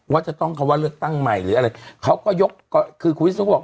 ว่าจะต้องคำว่าเลือกตั้งใหม่หรืออะไรเขาก็ยกก็คือคุณวิศนุบอก